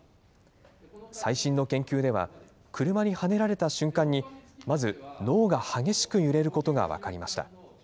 最新の研究では、車にはねられた瞬間に、まず脳が激しく揺れることが分かりました。